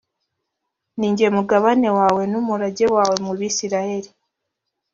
ni jye mugabane wawe n’umurage wawe mu bisirayeli